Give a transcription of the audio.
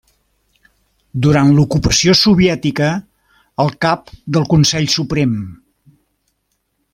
Durant l'ocupació soviètica, el Cap del Consell Suprem.